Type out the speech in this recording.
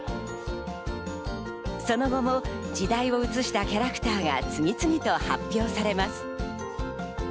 その後も時代をうつしたキャラクターが次々と発表されます。